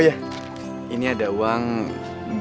loh ini bushah diri itu